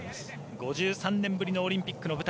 ５３年ぶりのオリンピックの舞台。